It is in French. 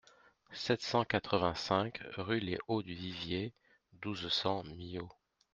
sept cent quatre-vingt-cinq rue les Hauts du Vivier, douze, cent, Millau